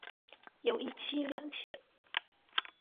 有一妻两妾。